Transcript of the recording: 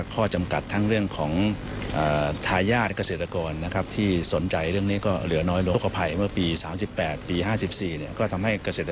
ผมไปทานไปแล้วแล้วกัน